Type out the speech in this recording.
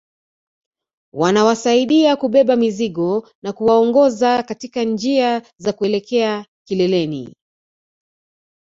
Wanawasaidia kubeba mizigo na kuwaongoza katika njia za kuelekea kileleni